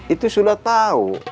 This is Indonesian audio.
itu sudah tau